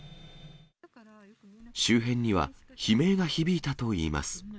周辺には、悲鳴が響いたといいます。